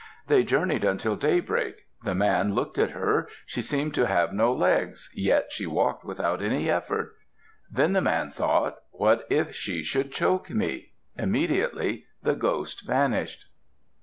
They journeyed until daybreak. The man looked at her. She seemed to have no legs, yet she walked without any effort. Then the man thought, "What if she should choke me." Immediately the ghost vanished.